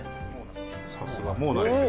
さすが！もうないです。